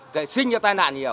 đại sinh cho tai nạn nhiều